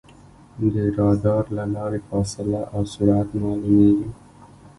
د رادار له لارې فاصله او سرعت معلومېږي.